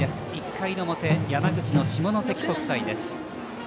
１回の表、山口の下関国際です。